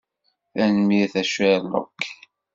Tanemmirt a Sherlock.